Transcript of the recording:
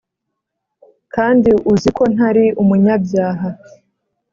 kandi uzi ko ntari umunyabyaha,